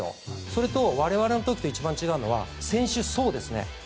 それと我々の時と一番違うのは選手層ですね。